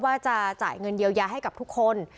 ว่าจะจ่ายเงินเยียวยาให้กับทุกคน